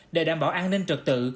để đảm bảo an ninh trật tự